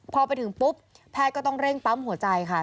พอไปถึงปุ๊บแพทย์ก็ต้องเร่งปั๊มหัวใจค่ะ